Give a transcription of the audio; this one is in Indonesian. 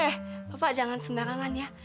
eh bapak jangan sembarangan ya